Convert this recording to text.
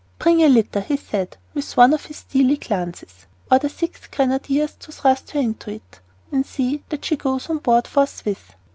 "Bring a litter," he said, with one of his steely glances. "Order six grenadiers to thrust her into it, and see that she goes on board forthwith."